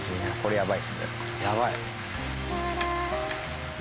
やばい。